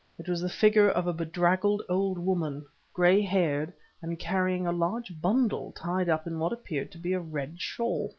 It was the figure of a bedraggled old woman, gray haired, and carrying a large bundle tied up in what appeared to be a red shawl.